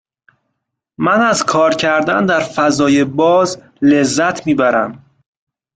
من از کار کردن در فضای باز لذت می برم.